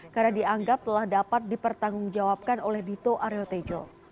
karena dianggap telah dapat dipertanggungjawabkan oleh dito aryotejo